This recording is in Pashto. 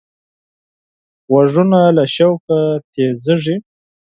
غوږونه له شوقه تیزېږي